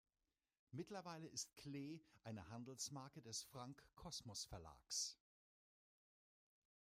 Mittlerweile ist Klee eine Handelsmarke des Franckh-Kosmos-Verlags.